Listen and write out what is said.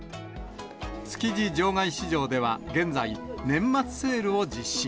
築地場外市場では現在、年末セールを実施。